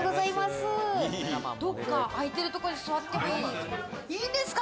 どっか空いてるとこに座ってもいいんですか。